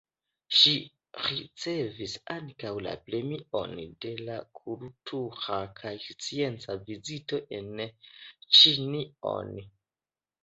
Ŝi ricevis ankaŭ la Premion de la Kultura kaj Scienca Vizito en Ĉinion.